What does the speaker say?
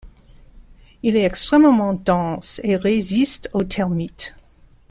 Il est extrêmement dense et résiste aux termites.